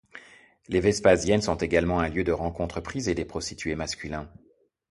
Les vespasiennes sont également un lieu de rencontre prisé des prostitués masculins.